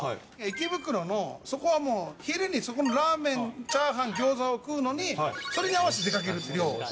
池袋の、そこはもう、昼にそこのラーメン、チャーハン、ギョーザを食うのに、それに合わせて出かける、寮を。